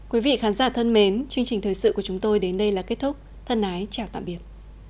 quý vị khán giả thân mến chương trình thời sự của chúng tôi đến đây là kết thúc thân ái chào tạm biệt